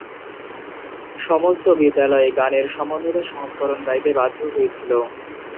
সমস্ত বিদ্যালয়ে গানের সমন্বিত সংস্করণ গাইতে বাধ্য হয়েছিল।